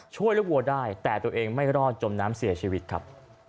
ช่วยลูกวัวได้แต่ตัวเองไม่รอดจมน้ำเสียชีวิตครับ